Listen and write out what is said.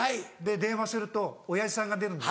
電話すると親父さんが出るんです。